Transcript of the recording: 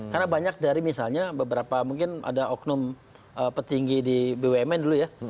karena banyak dari misalnya beberapa mungkin ada oknum petinggi di bumn dulu ya